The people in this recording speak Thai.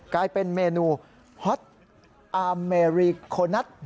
กลายเป็นเมนูฮอตอาร์เมรีโคนัส